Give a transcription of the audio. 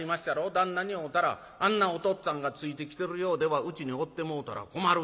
旦那に会うたら『あんなおとっつぁんがついてきてるようではうちにおってもうたら困る』